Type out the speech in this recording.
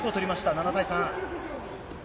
７対３。